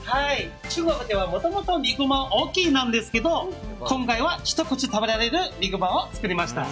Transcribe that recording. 中国ではもともと、肉まんは大きいんですけど今回はひと口で食べられる肉まんを作りました。